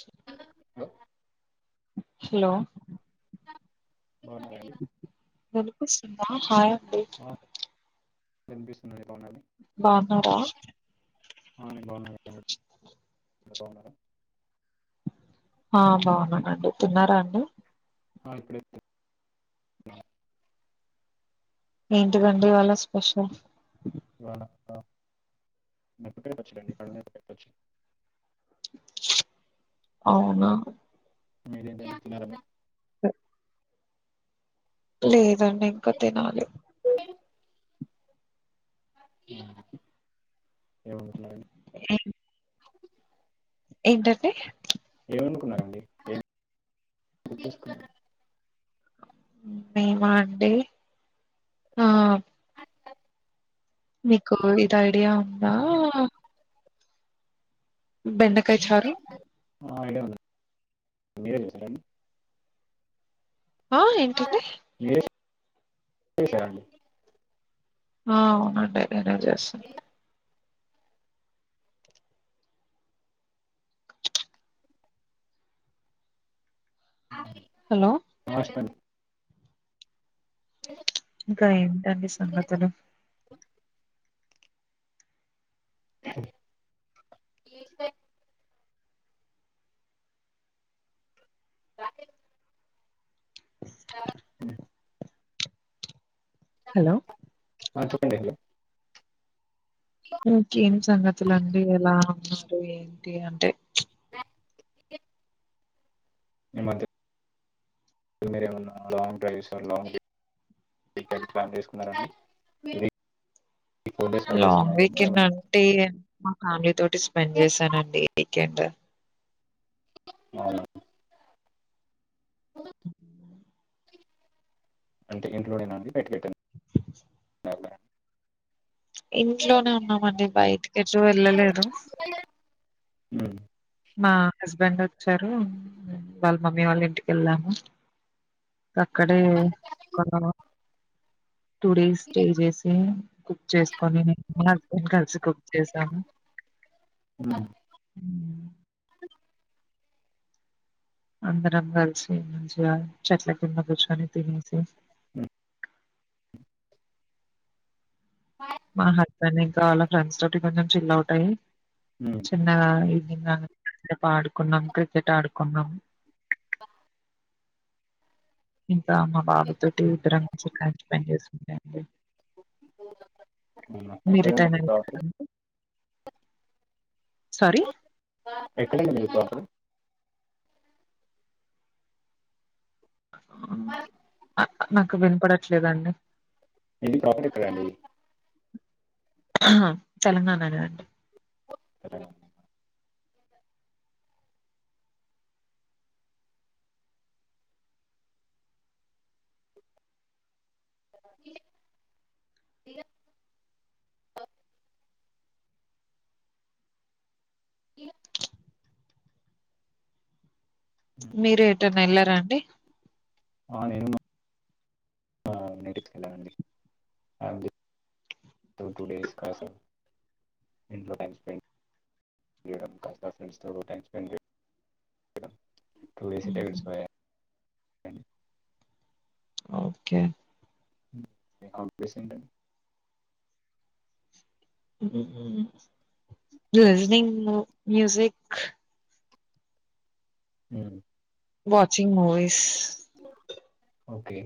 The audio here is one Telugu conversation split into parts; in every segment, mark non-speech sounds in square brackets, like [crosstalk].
చె హలో హలో బావున్నారా అండి పనికొస్తుందా కాయ తే విన్పిస్తున్నది బావున్నారా ఆ నేను బావున్నా [inaudible] బావున్నారా ఆ బావున్నానండి తిన్నారా అండి ఆ ఇప్పుడు ఏంటిదండి ఇవాళ స్పెషల్ ఇవాళ మిరపకాయ పచ్చడండి పళ్ళ మిరపకాయ పచ్చడి అవునా మీరేం చేస్తున్నారు [unintelligible] లేదండి ఇంక తినాలి [inaudible] [inaudible] ఏంటండి ఏమనుకున్నారండి [inaudible] మేమా అండి ఆ మీకు ఇది ఐడియా ఉందా బెండక్ కై చారు ఆ ఐడియా [inaudible] మీరే [inaudible] ఆ ఏంటింది [inaudible] అండి ఆ అవునండి పేడా జేస్సం హలో [inaudible] ఇంకా ఏంటండి సంగతులు ఆ హలో [inaudible] ఓకే సంగతులండి ఎలా ఉన్నారు రు ఏంటి అంటే ఈమధ్య మీరేమన్నా లాంగ్ డ్రైవ్స్ లాంగ్ [inaudible] ప్లాన్ చేసుకున్నారండి four days five days long ఉన్నాయి కదా వీకెండ్ ఏమన్నా అంటే మా ఫ్యామిలీ తోటి స్పెండ్ చేసానండి వీకెండ్ అవు అంటే ఇంట్లో నేనా అండి బయటకి ఎటైనా వెళ్ళారా ఇంట్లోనే ఉన్నామండి బయటికి ఎటు వెళ్ళలేదు ఉమ్ మా హస్బెండ్ వచ్చారు వాళ్ళ మమ్మీ వాళ్ళ ఇంటికి వెళ్ళాము అక్కడే [unintelligible] టూ డేస్ స్టే చేసి కుక్ చేసుకొని మా హస్బెండ్ కలిసి కుక్ చేసాము మ్మ్ ఉమ్ అందరం కలిసి మంచిగా చెట్ల కింద కూర్చొని తినేసి ఉమ్ మా హస్బెండ్ ఇంకా వాళ్ళ ఫ్రెండ్స్ తోటి కొంచెం చిల్ ఔట్ అయి మ్మ్ చిన్నగా ఇంగ కాసేపు ఆడుకున్నాం క్రికెట్ ఆడుకున్నాం బా ఇంక మా బాబు తోటి ఇద్దరం మంచి టైమ్ స్పెండ్ చేశాం అండి అవునా ఎక్కడ రిటర్న్ అయ్యారండి [unintelligible] సారి ఎక్కడ అండి మీది ప్రాపర్ ఉమ్ నాకు వినపడట్లేదండి మీది ప్రాపర్ ఎక్కడండి తెలంగాణాన అండి సరే ఏ మీర ఎటైన ఎల్ ఆండీ ఆ [unintelligible] ఆ నేటివ్కి వెళ్ళనండి ఫ్యామిలీ టూ టూ డేస్ కాస ఇంట్లో టైం స్పెండ్ చేయడం కా ఫ్రెండ్స్ తో టైం స్పెండ్ చేయడం టూ డేస్ ఇట్టే హుహు. గడిసిపాయే [inaudible] ఓకే మీ హాబీస్ ఏంటండీ లిజెనింగ్ మ్యూజిక్ అ వాచింగ్ మూవీస్ ఓకే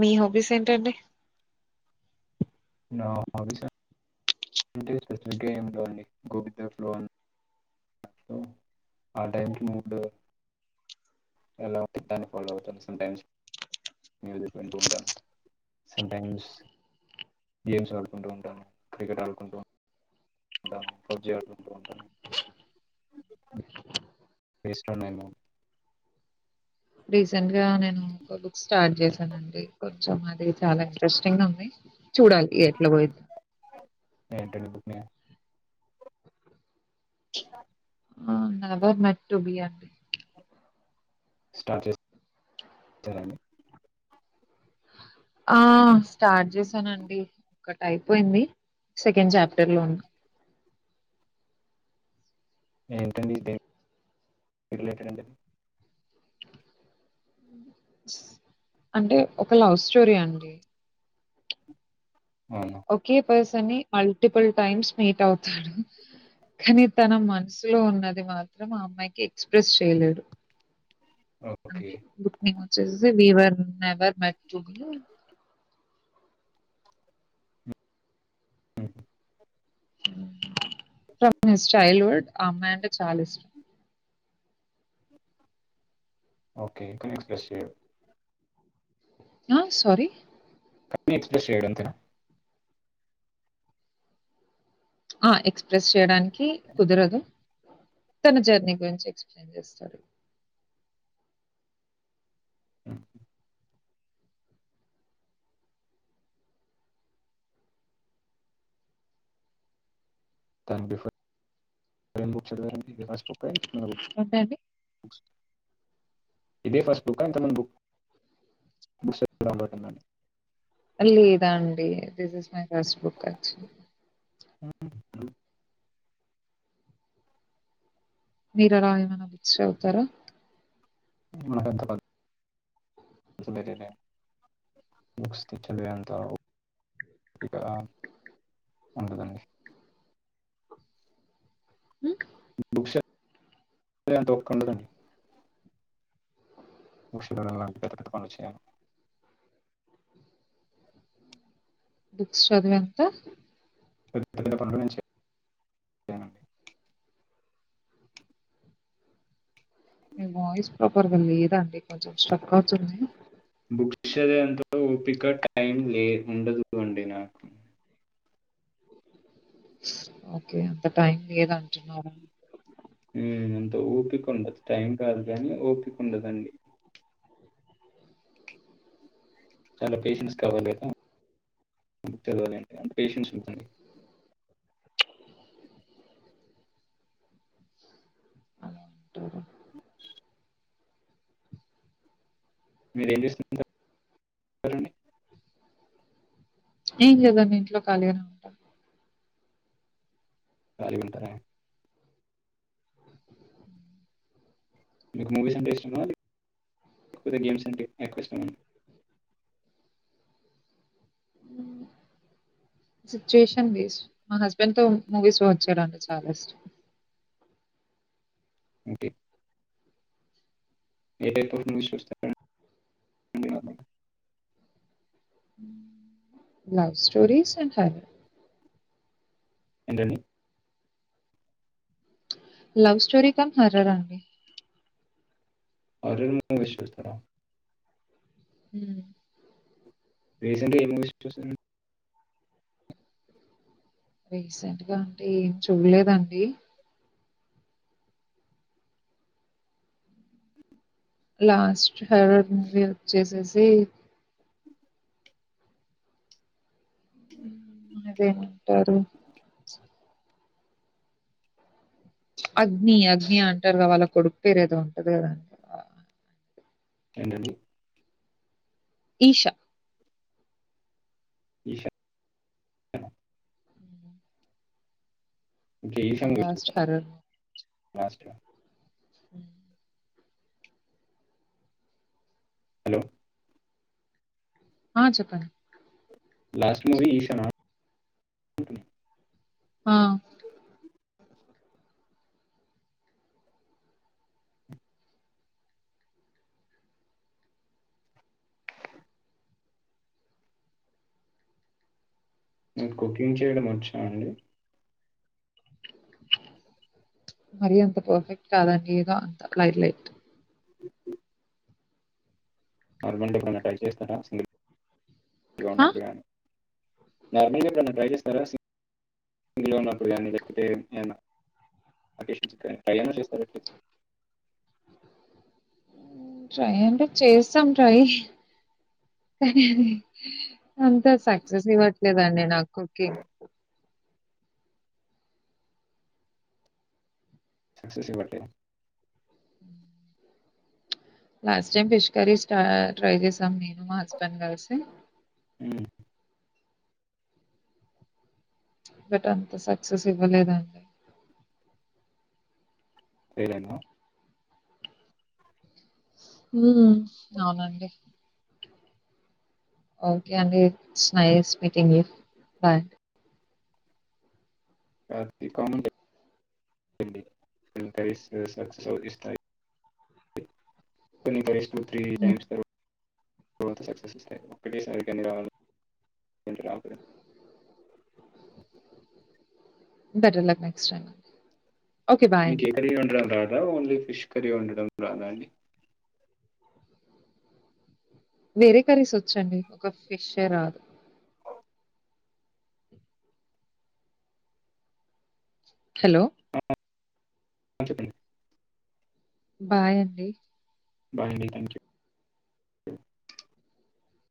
మీ హాబీస్ ఏంటండి నా హాబీస్ అంటే స్పెసిఫిగ్గ ఎం లేవండి గో విత్ దఫ్లోని ఆ టైంకి మూడు ఎలా దాన్ని ఫాలో అవుతాను సంటైమ్స్ మూజిక్ వింటూ ఉంటాను సంటైమ్స్ గేమ్స్ ఆడుకుంటూ ఉంటాను క్రికెట్ ఆడుకుంటూ ఉంటాను పబ్జి ఆడుకుంటూ ఉంటాను ఫెట్లోనేమో రీసెంట్ గా నేను ఒక బుక్ స్టార్ట్ చేశాన అండి కొంచెం అది చాలా ఇంట్రెస్టింగుంది చూడాలి ఎట్లా పోయిద్దొ ఏంటండీ book name never meant to be start చేసారండి ఆ స్టార్ట్ చేసానండి ఒకటి అయిపోయింది సెకండ్ చాప్టర్ లోన్నా ఏంటండి దేని రిలేటెడ్ అండి అంటే ఒక లవ్ స్టోరీ అండి అవునా ఓకే పర్స్ ని మల్టిపుల్ టైమ్స్ మీట్ అవుతాడు కానీ తన మనసులో ఉన్నది మాత్రం ఆ అమ్మాయికి ఎక్స్ప్రెస్ చేయలేడు ఓకే బుక్ నమ్రత వచ్చేసేసి we were never met to be హ ఫ్రమ్ మిస్ చైల్డ్హుడ్ ఆ అమ్మాయి అంటే చాలా ఇష్టం ఓకే ఎక్కడ ఎక్స్పెస్ చేయడు ఆ సారీ క ఎక్స్ప్రెస్ చేయడ అంతెనా ఆ ఎక్స్ప్రెస్ చేయడానికి కుదరదు తన జర్నీ గురించి ఎక్స్ప్లెయిన్ చేస్తాడు ఆ దాని బిఫోర్ ఎం బుక్ చదువారండీ ే ఏంటండి? ఇదే ఫస్ట్ బుక్క ఇంతకుముందు బుక్స్ చదివే అలవాటు ఉందా లేదండి, this is my first book touch అ [unintelligible] మీరు అలా ఏమైనా బుక్స్ చదువుతారా మనకు ఎంత [inaudible] బుక్స్ చదువేంతా ఓపిక ఉండదండి మ్మ్ బుక్స్ చదివేంత ఓపికుండదండి [unintelligible] బుక్స్ చదీవెంత అప్పుడు బానే వచ్చేది వాయిస్ ప్రాపర్గా లేదాండి కొంచెం స్ట్రక్ అవుతుంది బుక్స్ది చదివే ఎంతో ఓపిక టైం లే ఉండదు అండి నాకు ఓకే అంత టైం లేదంటున్నారా మ్మ్ అంత ఓపిక ఉండదు టైం కాదు కానీ ఓపిక ఉండదండి చాలా పేషెన్స్ కావాలి కదా బుక్ తెలవాలి అంటే, పేషెన్స్ ఉంచండి. అలా ఉంటారా? మీరు ఏం చేస్తుంటారండి? ఏం లేదండి, ఇంట్లో ఖాళీగనే ఉంట. ఖాళీగ ఉంటరా మీకు మూవీస్ అంటే ఇష్టమా? లెక్పోతే గేమ్స్ అంటే ఎక్కువ ఇష్టమ? సిచ్యుయేషన్ బేస్డ్ మా హస్బెండ్ తో మూవీస్ వచ్చుడంటే చాలా ఇష్టం. Okay A type of movies చూస్తారండి మీ హస్బెండ్ తో? లవ్ స్టోరీస్ అండ్ హారర్ ఏంటండీ? లవ్ స్టోరీ కం హారర్ అండి. హార్రర్ మూవీస్ చూస్తారా? హ్మ్ రీసెంట్ గ ఏం మూవీస్ చూసారండి? రీసెంట్ గా అంటే ఏం చూడలేదండి. లాస్ట్ హరడ్ మూవీ వచ్చేసేసి అది ఏమంటారు అగ్ని అగ్ని అంటరుగ వాళ్ళ కొడుకు పేరు ఏదో ఉంటది కదండి? ఏంటండీ? ఈషా 'ఈషానా'. ఇంక ఈషా నా మూవీ లాస్ట్ చూసారా? హారర్ లాస్ట్ ద హ్మ్ హలో ఆ చెప్పండి? లాస్ట్ మూవీ ఈషనా? ఆ మీకు కుకింగ్ చేయడం వచ్చా అండి? మరీ అంత పర్ఫెక్ట్ కాదండి, ఏదో అంత లైట్ లైట్. నార్మల్ గ ఎపుడన్న ట్రై చేస్తారా సింగిల్ ఆ, [unintelligible] నార్మల్ గ ఎప్పుడన్నా ట్రై జేశార్ [unintelligible] సింగిల్గా ఉన్నప్పుడు గానీ లేకపోతే ఏదన్న అకేషన్స్ కిగానీ ట్రై అన్న చేస్తారా ఎట్లిస్ట్? ట్రై అంటే చేస్తాం ట్రై కానీ అంత సక్సెస్ ఇవ్వట్లేదండి నాకు. ఓకే సక్సెస్ ని బట్టి ఆ లాస్టైమ్ ఫిష్ కర్రీ స్ స్టా ట్రై చేసాం, నేను మా హస్బెండ్ గల్సి హ్మ్. బట్ అంత సక్సెస్ ఇవ్వలేదండి. ఫెయిలేనా ఉమ్ అవునండి ఓకే అండి it's nice meeting you, bye. [inaudible] కొన్ని టైమ్స్ సక్సెస్ ని ఇస్తాయి. కొన్నికరిస్తూ three times [unintelligible] [unintelligible] better luck next time మీకెక్కడివి ఉండరాదా రా ఓన్లీ ఫిష్ కర్రీ వండడం రాదా అండి వేరే కర్రీస్ వచ్చండి ఒక ఫిష్షే రాదు హలో ఆ చెప్పండి బాయ్ అండి బాయ్ అండి థ్యాంక్ యూ